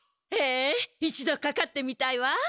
へえ一度かかってみたいわ。